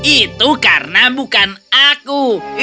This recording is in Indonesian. itu karena bukan aku